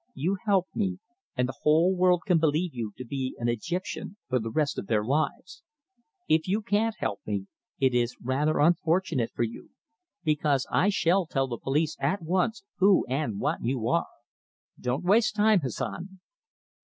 You help me and the whole world can believe you to be an Egyptian for the rest of their lives. If you can't help me it is rather unfortunate for you, because I shall tell the police at once who and what you are. Don't waste time, Hassan."